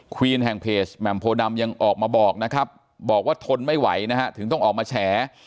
วีนแห่งเพจแหม่มโพดำยังออกมาบอกนะครับบอกว่าทนไม่ไหวนะฮะถึงต้องออกมาแฉ